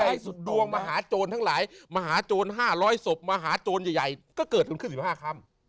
ไปดูด้วยเลยดวงมหาโจรทั้งหลายมหาโจร๕๐๐ศพมหาโจรใหญ่ก็เกิดวันขึ้น๑๕ค่ำ